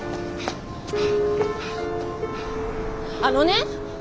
あのね！